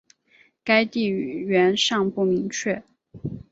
该地语源尚不明确。